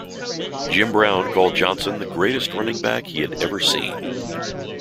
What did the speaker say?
Jim Brown called Johnson the greatest running back he had ever seen.